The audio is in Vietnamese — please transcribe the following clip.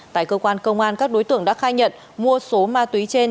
tại cơ quan công an các đối tượng đã khai nhận mua số ma túy trên